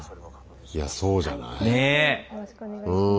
いやそうじゃない？ねえ？